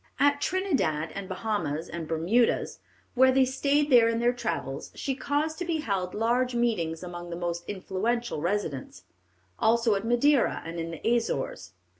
At Trindad, and Bahamas, and Bermudas, when they stayed there in their travels, she caused to be held large meetings among the most influential residents; also at Madeira and in the Azores.